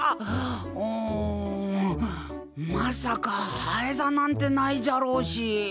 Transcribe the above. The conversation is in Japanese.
うんまさかハエ座なんてないじゃろうし。